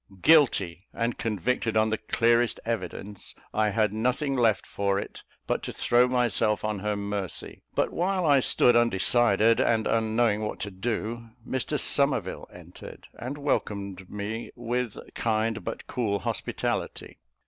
Guilty, and convicted on the clearest evidence, I had nothing left for it, but to throw myself on her mercy; but while I stood undecided, and unknowing what to do, Mr Somerville entered, and welcomed me with kind, but cool hospitality.